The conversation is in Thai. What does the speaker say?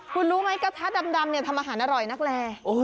คุณรู้ไหมกระทะดำทำอาหารอร่อยนักแล